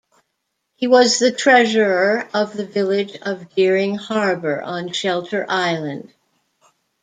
He was the treasurer of the village of Dering Harbor on Shelter Island.